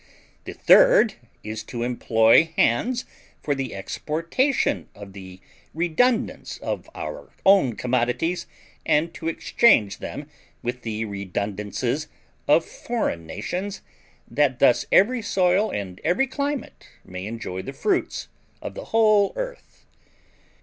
The third is to employ hands for the exportation of the redundance of our own commodities, and to exchange them with the redundances of foreign nations, that thus every soil and every climate may enjoy the fruits of the whole earth.